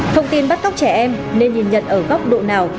thông tin bắt cóc trẻ em nên nhìn nhận ở góc độ nào